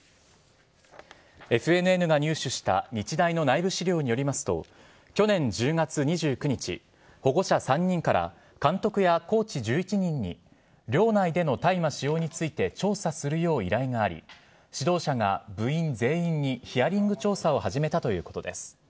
ＦＮＮが入手した日大の内部資料によりますと、去年１０月２９日、保護者３人から、監督やコーチ１１人に、寮内での大麻使用について調査するよう依頼があり、指導者が部員全員にヒアリング調査を始めたということです。